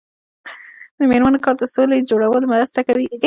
د میرمنو کار د سولې جوړولو مرسته کوي.